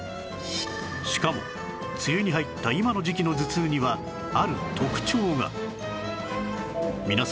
しかも梅雨に入った今の時期の頭痛にはある特徴が